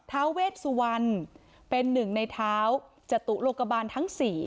ท้าเวชสุวรรณเป็นหนึ่งในเท้าจตุโลกบาลทั้ง๔